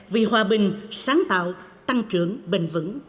vì hòa bình sáng tạo tăng trưởng bền vững